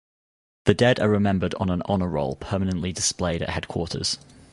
The dead are remembered on an Honor Roll permanently displayed at Headquarters.